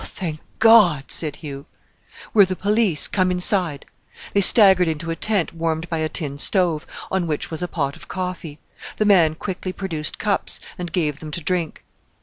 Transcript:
"Thank God!" said Hugh. "We're the police; come inside." They staggered into a tent warmed by a tin stove, on which was a pot of coffee. The man quickly produced cups, and gave them to drink.